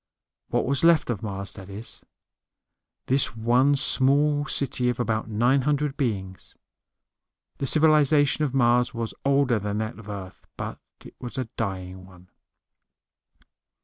What was left of Mars, that is; this one small city of about nine hundred beings. The civilization of Mars was older than that of Earth, but it was a dying one.